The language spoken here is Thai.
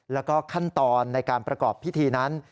แล้วก็ขั้นตอนในการประกอบพิธีนั้น